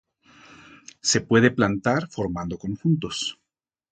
Se puede plantar formando conjuntos.